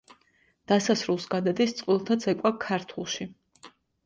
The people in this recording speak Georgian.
დასასრულს გადადის წყვილთა ცეკვა „ქართულში“.